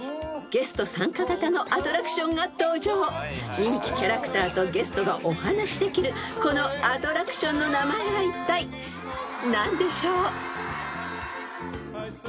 ［人気キャラクターとゲストがお話できるこのアトラクションの名前はいったい何でしょう？］